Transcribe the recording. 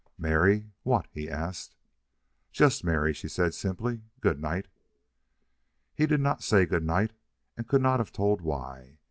"Mary what?" he asked. "Just Mary," she said, simply. "Good night." He did not say good night and could not have told why.